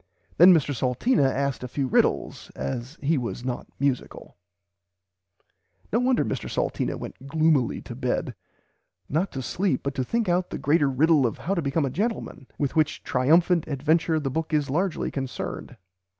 Then Mr Salteena asked a few riddles as he was not musicle." No wonder Mr Salteena went gloomily to bed, not to [Pg xiii] sleep, but to think out the greater riddle of how to become a gentleman, with which triumphant adventure the book is largely concerned.